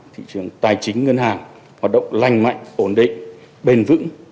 thị trường tài chính ngân hàng hoạt động lành mạnh ổn định bền vững